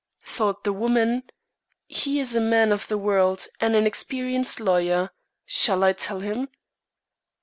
Thought the woman: "He is a man of the world, and an experienced lawyer. Shall I tell him?"